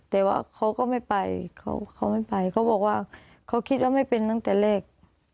แต่ว่าเขาก็ไม่ไปเขาไม่ไปเขาบอกว่าเขาคิดว่าไม่เป็นตั้งแต่แรก